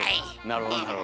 なるほど。